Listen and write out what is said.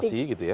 prestasi gitu ya